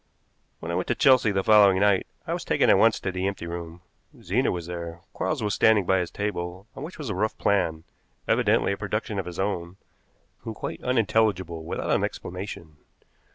When I went to Chelsea the following night I was taken at once to the empty room. Zena was there. Quarles was standing by his table, on which was a rough plan, evidently a production of his own, and quite unintelligible without an explanation.